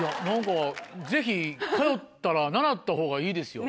ぜひ通ったら習ったほうがいいですよ。